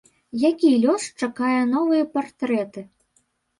Які лёс чакае новыя партрэты?